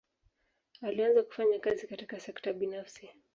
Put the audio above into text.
Alianza kufanya kazi katika sekta binafsi.